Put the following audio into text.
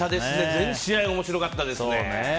全試合面白かったですね。